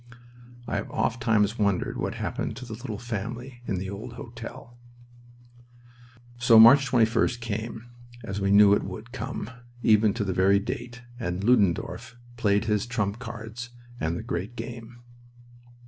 I have ofttimes wondered what happened to the little family in the old hotel. So March 21st came, as we knew it would come, even to the very date, and Ludendorff played his trump cards and the great game.